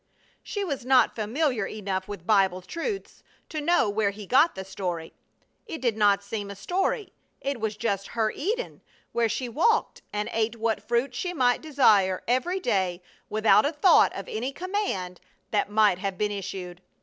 She was not familiar enough with Bible truths to know where he got the story. It did not seem a story. It was just her Eden where she walked and ate what fruit she might desire every day without a thought of any command that might have been issued.